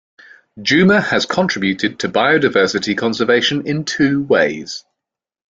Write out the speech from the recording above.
Juma has contributed to biodiversity conservation in two ways.